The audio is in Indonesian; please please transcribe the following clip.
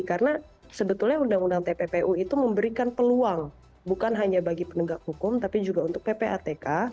karena sebetulnya undang undang tppu itu memberikan peluang bukan hanya bagi penegak hukum tapi juga untuk ppatk